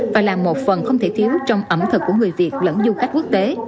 và là một phần không thể thiếu trong ẩm thực của người việt lẫn du khách quốc tế